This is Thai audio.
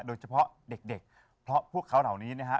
โดยเฉพาะเด็กเพราะพวกเขาเหล่านี้นะฮะ